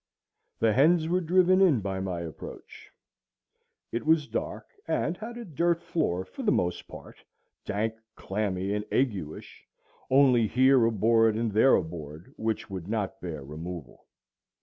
The hens were driven in by my approach. It was dark, and had a dirt floor for the most part, dank, clammy, and aguish, only here a board and there a board which would not bear removal.